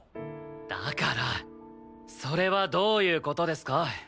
だからそれはどういう事ですか？